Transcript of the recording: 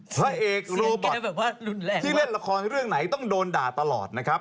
พระเอกโรบอยที่เล่นละครเรื่องไหนต้องโดนด่าตลอดนะครับ